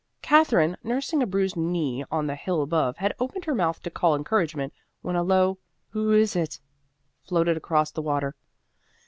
Katherine, nursing a bruised knee on the hill above, had opened her mouth to call encouragement, when a low "Who is it?" floated across the water.